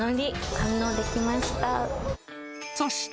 堪能できました。